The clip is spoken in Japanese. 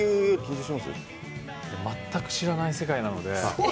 全く知らない世界なので。